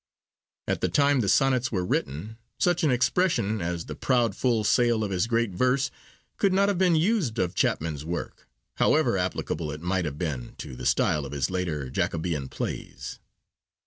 At the time the Sonnets were written, such an expression as 'the proud full sail of his great verse' could not have been used of Chapman's work, however applicable it might have been to the style of his later Jacobean plays.